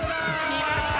きまった！